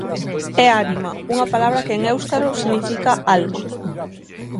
É Arima, unha palabra que en éuscaro significa alma.